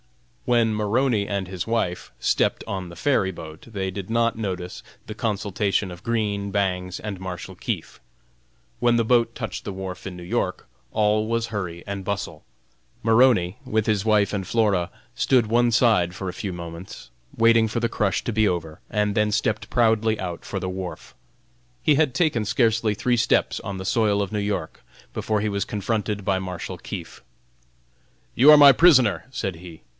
When Maroney and his wife stepped on the ferry boat they did not notice the consultation of Green, Bangs and Marshal Keefe. When the boat touched the wharf in New York, all was hurry and bustle. Maroney, with his wife and Flora, stood one side for a few moments, waiting for the crush to be over, and then stepped proudly out for the wharf. He had taken scarcely three steps on the soil of New York before he was confronted by Marshal Keefe. "You are my prisoner!" said he.